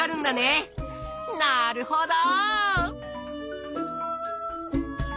なるほど！